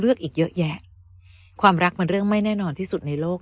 อีกเยอะแยะความรักมันเรื่องไม่แน่นอนที่สุดในโลก